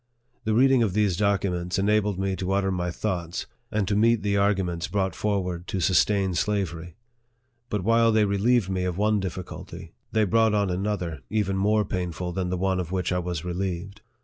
The reading of these documents enabled me to utter my thoughts, and to meet the arguments brought for ward to sustain slavery ; but while they relieved me of one difficulty, they brought on another even more painful than the one of which I was relieved.